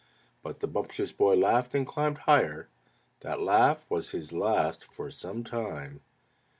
But the Bumptious Boy laughed and climbed higher: That laugh was his last for some time.